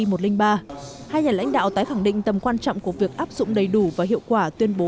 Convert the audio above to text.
hai nhà lãnh đạo tái khẳng định tầm quan trọng của việc áp dụng đầy đủ và hiệu quả tuyên bố